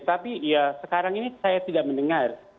tapi ya sekarang ini saya tidak mendengar